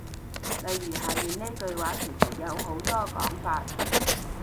例如下面呢句話其實有好多講法